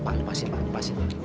pak lepasin pak lepasin